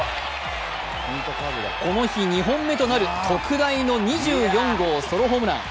この日２本目となる特大の２４号ソロホームラン。